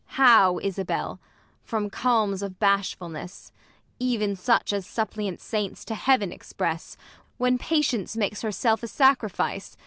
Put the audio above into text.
Ang. How, Isabell 1 from calms of bashfulness Even such as suppliant saints to Heaven express, When patience makes her self a sacrifice.